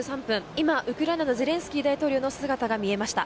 今、ウクライナのゼレンスキー大統領の姿が見えました。